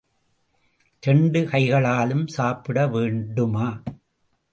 இரண்டு கைகளாலும் சாப்பிடவேண்டும.